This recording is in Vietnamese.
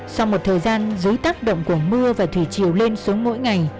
sau một thời gian dưới tác động của mưa và thủy chiều lên xuống mỗi ngày